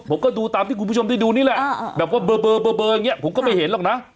ผมก็ดูตามที่คุณผู้ชมได้ดูนี่แหละแบบว่าเบอร์อย่างนี้ผมก็ไม่เห็นหรอกนะ